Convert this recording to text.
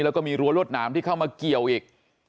แล้วก็มีรั้วรวดหนามที่เข้ามาเกี่ยวอีก